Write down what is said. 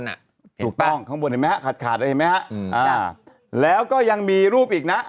น่ะถูกต้องข้างบนแม้ขาดไอ้ไหมแล้วก็ยังมีรูปอีกนะ